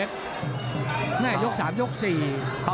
ต้นเพชร